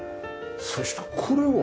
そしてこれは？